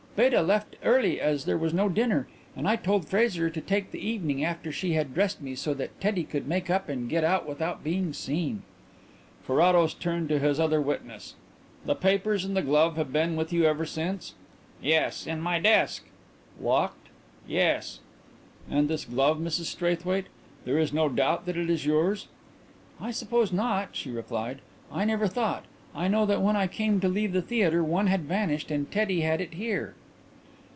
Beta left early as there was no dinner, and I told Fraser to take the evening after she had dressed me so that Teddy could make up and get out without being seen." Carrados turned to his other witness. "The papers and the glove have been with you ever since?" "Yes, in my desk." "Locked?" "Yes." "And this glove, Mrs Straithwaite? There is no doubt that it is yours?" "I suppose not," she replied. "I never thought. I know that when I came to leave the theatre one had vanished and Teddy had it here."